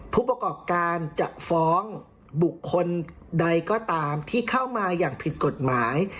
ผู้ประกอบการจะฟ้องบุคคลใดก็ตามที่เข้ามาอย่างผิดกฎหมาย